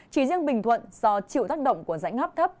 chỉ riêng bình thuận do chịu tác động của dãy ngắp thấp